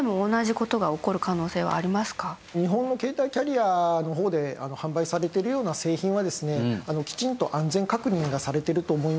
日本の携帯キャリアの方で販売されているような製品はきちんと安全確認がされていると思いますので。